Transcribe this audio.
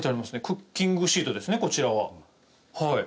クッキングシートですねこちらは。